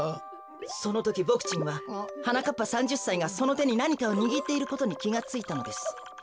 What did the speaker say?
そのときボクちんははなかっぱ３０さいがそのてになにかをにぎっていることにきがついたのです。